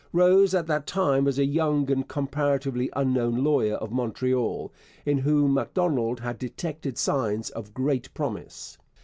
Rose at that time was a young and comparatively unknown lawyer of Montreal, in whom Macdonald had detected signs of great promise.